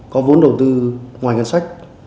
có vốn đầu tư ngoài ngân sách